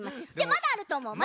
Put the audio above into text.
まだあるとおもう。